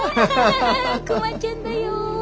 クマちゃんだよ。